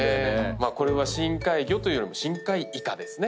これは深海魚というよりも深海イカですね。